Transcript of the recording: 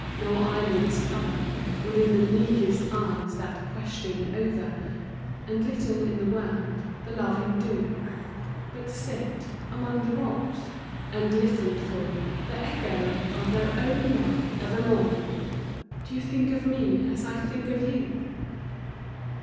No eyelids cover Within the meekest eyes, that question over — And little, in the world, the loving do, A FLOWER IN A LETTER. 41 But sit (among the rocks ?) and listen for The echo of their own love evermore —" Do you think of me as I think of you